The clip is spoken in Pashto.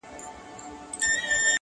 مړۍ غوړي سوې د ښار د فقیرانو!!